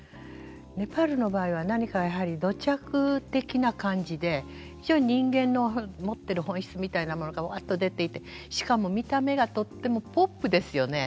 ネパールの場合は何かやはり土着的な感じで非常に人間の持ってる本質みたいなものがわっと出ていてしかも見た目がとってもポップですよね。